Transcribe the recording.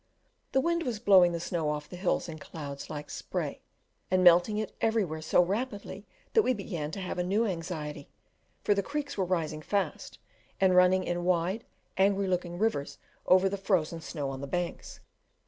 The wind was blowing the snow off the hills in clouds like spray, and melting it everywhere so rapidly that we began to have a new anxiety, for the creeks were rising fast, and running in wide, angry looking rivers over the frozen snow on the banks.